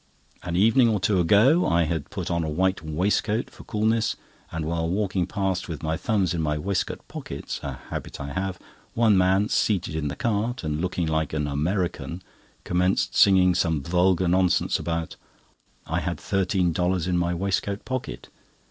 An evening or two ago I had put on a white waistcoat for coolness, and while walking past with my thumbs in my waistcoat pockets (a habit I have), one man, seated in the cart, and looking like an American, commenced singing some vulgar nonsense about "I had thirteen dollars in my waistcoat pocket."